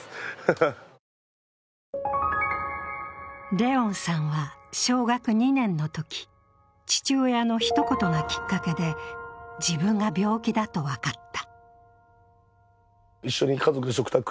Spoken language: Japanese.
怜音さんは小学２年のとき父親のひと言がきっかけで自分が病気だと分かった。